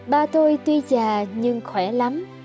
ba tôi tuy già nhưng khỏe lắm